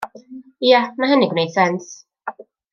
Ia ma' hynny'n gwneud sens.